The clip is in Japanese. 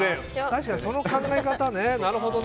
確かにその考え方ね、なるほど。